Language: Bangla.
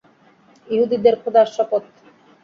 ইহুদীদের খোদার শপথ!